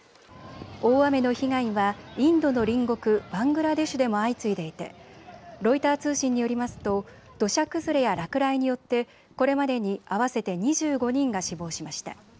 大雨の被害はインドの隣国バングラデシュでも相次いでいてロイター通信によりますと土砂崩れや落雷によってこれまでに合わせて２５人が死亡しました。